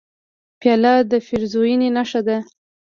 پیاله د پیرزوینې نښه ده.